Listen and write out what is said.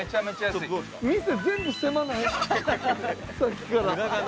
さっきから。